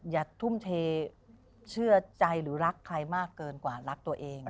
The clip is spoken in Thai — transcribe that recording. อย่าทุ่มเทเชื่อใจหรือรักใครมากเกินกว่ารักตัวเอง